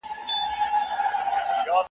د صابرانو سره خدای ج ملګری وي .